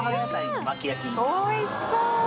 おいしそう！